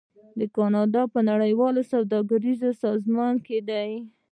کاناډا په نړیوال سوداګریز سازمان کې دی.